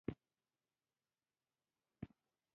دا کارونه پخپله له طالبانیزېشن سره مرسته کوي.